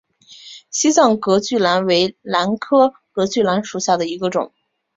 西藏隔距兰为兰科隔距兰属下的一个种。